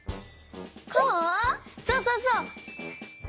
そうそうそう！